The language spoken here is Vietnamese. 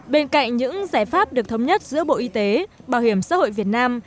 bên cạnh những giải pháp được thống nhất giữa bộ y tế bảo hiểm xã hội việt nam